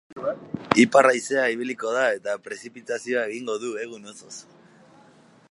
Ipar-haizea ibiliko da eta prezipitazioa egingo du egun osoz.